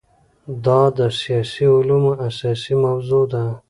دا د سیاسي علومو اساسي موضوع ده.